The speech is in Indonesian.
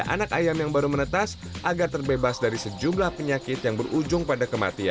anak ayam yang baru menetas agar terbebas dari sejumlah penyakit yang berujung pada kematian